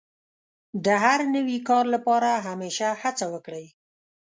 د هر نوي کار لپاره همېشه هڅه وکړئ.